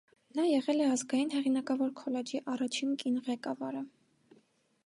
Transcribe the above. Նա եղել է ազգային հեղինակավոր քոլեջի առաջին կին ղեկավարը։